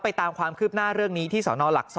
ตามความคืบหน้าเรื่องนี้ที่สนหลัก๒